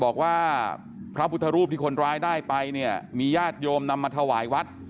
บอกว่าพระพุทธรูปที่คนร้ายได้ไปเนี่ยมีญาติโยมนำมาถวายวัด